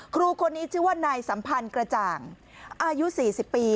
ครูคนนี้ชื่อว่านายสัมพันธ์กระจ่างอายุ๔๐ปี